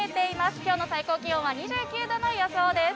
きょうの最高気温は２９度の予想です。